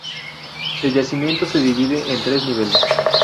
El yacimiento se divide en tres niveles.